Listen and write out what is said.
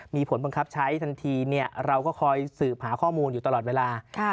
มีผลบังคับใช้ทันทีเราก็คอยสืบหาข้อมูลอยู่ตลอดเวลา